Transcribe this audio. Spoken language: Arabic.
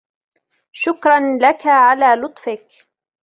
شكراً لكَ على لطفك.